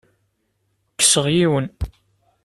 Kkseɣ yiwen.